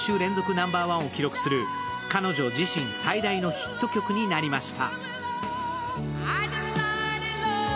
ナンバーワンを記録する彼女自身最大のヒット曲となりました。